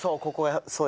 そう。